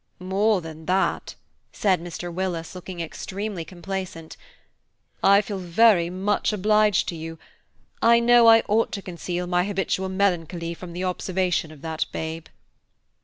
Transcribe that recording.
"More than that," said Mr. Willis, looking extremely complacent. "I feel very much obliged to you; I know I ought to conceal my habitual melancholy from the observation of that babe."